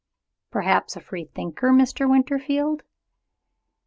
"Perhaps a free thinker, Mr. Winterfield?"